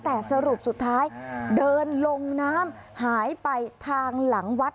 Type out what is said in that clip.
แต่สรุปสุดท้ายเดินลงน้ำหายไปทางหลังวัด